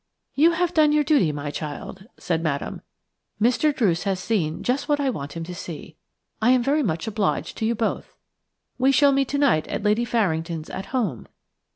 "You have done your duty, my child," said Madame. "Mr. Druce has seen just what I want him to see. I am very much obliged to you both. We shall meet tonight at Lady Farringdon's 'At Home'.